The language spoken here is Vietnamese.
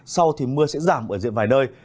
sau thì mưa sẽ giảm ở diện vài nơi